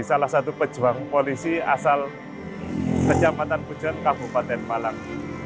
salah satu pejuang polisi asal kejamatan pujon kabupaten malang